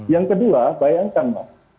yang kedua bayangkan mas